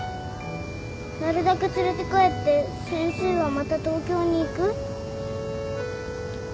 なるだけ連れて帰って先生はまた東京に行く？